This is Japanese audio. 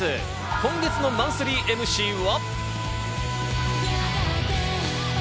今月のマンスリーＭＣは。